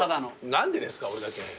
何でですか俺だけ。